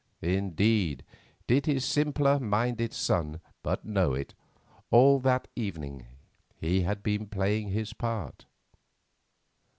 Indeed, did his simpler minded son but know it, all that evening he had been playing a part.